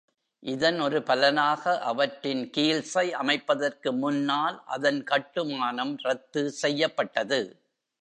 இதன் ஒரு பலனாக, அவற்றின் கீல்ஸை அமைப்பதற்கு முன்னால் அதன் கட்டுமானம் ரத்து செய்யப்பட்டது.